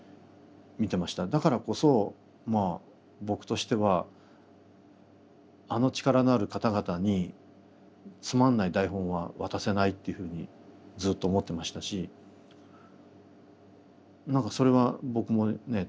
だからこそまあ僕としてはあの力のある方々につまんない台本は渡せないっていうふうにずっと思ってましたし何かそれは僕もね